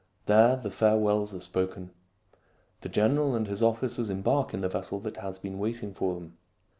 There the farewells are spoken. The gen eral and his officers embark in the vessel that has been waiting for them.